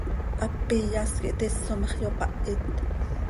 Hap iyas quih tis oo ma x, yopahit.